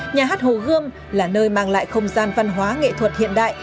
nhà hát hồ gươm là nơi mang lại không gian văn hóa nghệ thuật hiện đại